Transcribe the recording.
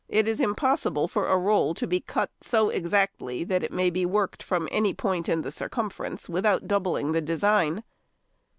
It is impossible for a roll to be cut so exactly that it may be worked from any point in the circumference without doubling the design.